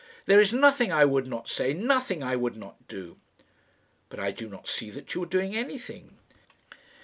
There is nothing I would not say nothing I would not do." "But I do not see that you are doing anything."